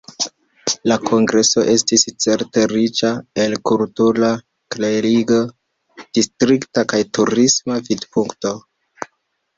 La kongreso estis certe riĉa, el kultura, kleriga, distra kaj turisma vidpunkto.